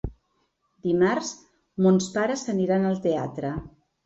Dimarts mons pares aniran al teatre.